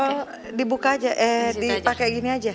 oh dibuka aja eh dipake gini aja